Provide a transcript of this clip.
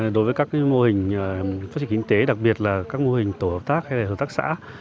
đối với các mô hình phát triển kinh tế đặc biệt là các mô hình tổ hợp tác hay là hợp tác xã